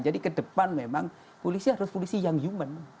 jadi kedepan memang polisi harus polisi yang human